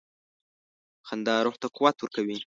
• خندا روح ته قوت ورکوي.